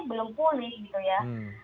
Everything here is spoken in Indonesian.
belum pulih gitu ya